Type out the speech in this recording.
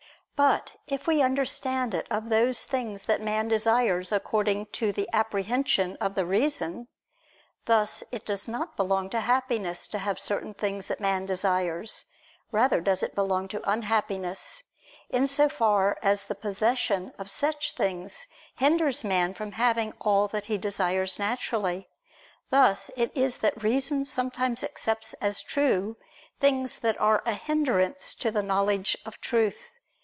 But if we understand it of those things that man desires according to the apprehension of the reason, thus it does not belong to Happiness, to have certain things that man desires; rather does it belong to unhappiness, in so far as the possession of such things hinders man from having all that he desires naturally; thus it is that reason sometimes accepts as true things that are a hindrance to the knowledge of truth.